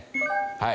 はい。